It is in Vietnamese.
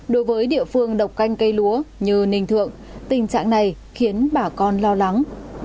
đối với địa phương độc canh cây lúa như ninh thượng tình trạng này khiến bà con lo lắng